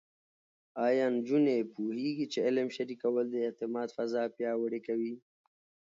ایا نجونې پوهېږي چې علم شریکول د اعتماد فضا پیاوړې کوي؟